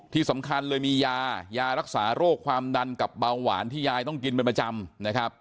ที่สำคัญเลยมียายารักษาโรคความดันกับเบาหวานที่ยายต้องกินเป็นประจำนะครับ